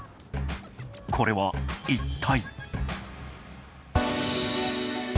これは、一体？